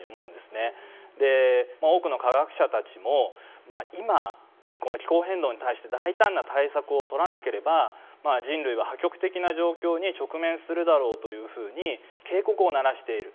多くの科学者たちも今この気候変動に対して大胆な対策を取らなければ人類は破局的な状況に直面するだろうというふうに警告を鳴らしている。